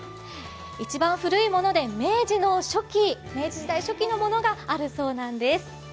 一番古いもので明治時代初期のものがあるそうなんです。